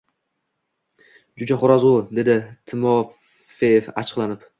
Joʻjaxoʻroz u! – dedi Timofeev achchiqlanib.